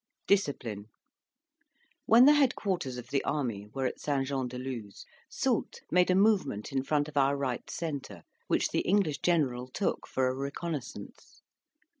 DISCIPLINE When the headquarters of the army were at St Jean de Luz, Soult made a movement in front of our right centre, which the English general took for a reconnaissance.